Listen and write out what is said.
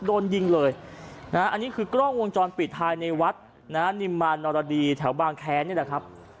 โดนยิงเลยนะฮะอันนี้คือกล้องวงจรปิดภายในวัดนะฮะนิมมานรดีแถวบางแค้นนี่แหละครับ